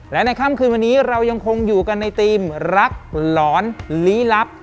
และในค่ำคืนวันนี้เรายังคงอยู่กันในทีมรักหลอนลี้ลับ